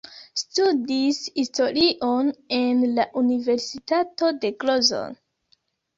Studis historion en la Universitato de Grozno.